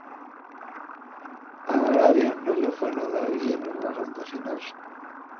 A Arabia no le fue nada bien en la ronda final.